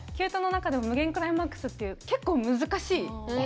中でも「夢幻クライマックス」っていう結構難しい。